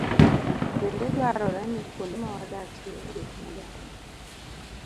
Bende dwarore ni kuonde ma wadakie obed maler.